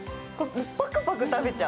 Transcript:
パクパク食べちゃう。